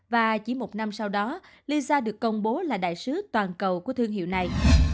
và chỉ một năm sau đó lysa được công bố là đại sứ toàn cầu của thương hiệu này